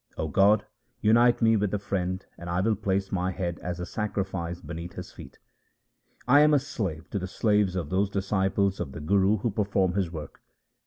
0 God, unite me with the friend, and I will place my head as a sacrifice beneath his feet. 1 am a slave to the slaves of those disciples of the Guru who perform his work.